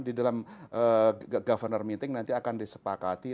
di dalam governor meeting nanti akan disepakati